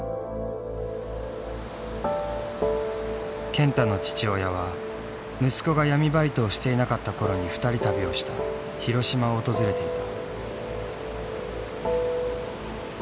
健太の父親は息子が闇バイトをしていなかった頃に２人旅をした広島を訪れていた。